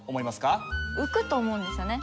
浮くと思うんですよね。